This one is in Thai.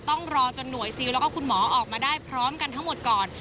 ต้องรอจนหน่วยซิลแล้วก็คุณหมอออกมาได้พร้อมกันทั้งหมดก่อน